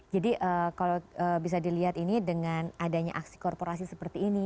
jadi kalau bisa dilihat ini dengan adanya aksi korporasi seperti ini